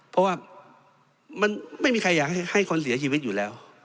เพราะว่ามันไม่มีใครอยากให้คนเสียชีวิตอยู่แล้ว